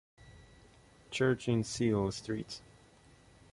Church in Seel Street.